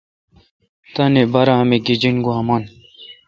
تانی بارہ می گیجن گوا من۔